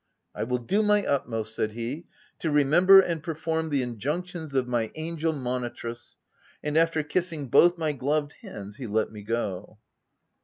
" I will do my utmost," said he, " to re member and perform the injunctions of my angel monitress," and after kissing both my gloved hands, he let me go.